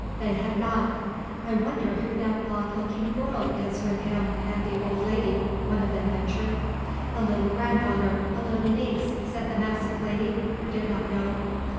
They had not. "I wonder who that odd looking girl is with him and the old lady?" one of them ventured. "A little grand daughter, a little niece," said the massive lady, who did not know.